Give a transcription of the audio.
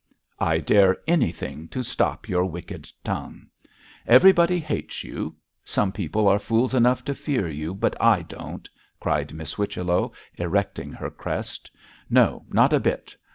'I dare anything to stop your wicked tongue. Everybody hates you; some people are fools enough to fear you, but I don't,' cried Miss Whichello, erecting her crest; 'no, not a bit.